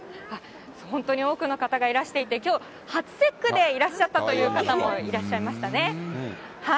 本当に多くの方がいらしていて、きょう、初節句でいらっしゃったという方もいらっしゃいましたね。